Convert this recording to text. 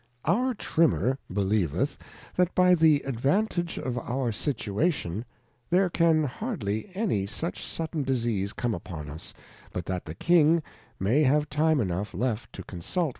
Our Trimmer believeth, that by the advantage of our Situa tion, there can hardly any such sudden Disease come upon us, but that the King may have time enough leftJa^cojiaultJ.